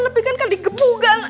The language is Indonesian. lebihkan kan dikepungkan